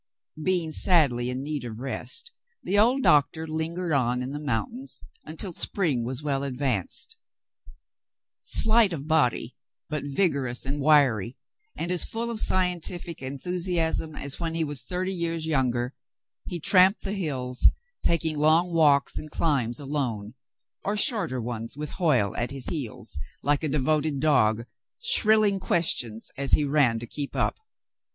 Being sadly in need of rest, the old doctor lingered on in the mountains until spring was well adv^anced. Slight of body, but vigorous and wiry, and as full of scientific enthusiasm as when he was thirty years younger, he tramped the hills, taking long walks and climbs alone, or shorter ones w4th Hoyle at his heels like a devoted dog, shrilling questions as he ran to keep up.